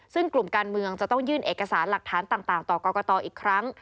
ซึ่งกลุ่มการเมืองจะต้องยื่นเอกสารหลักฐานต่างต่อกรกตอีกครั้ง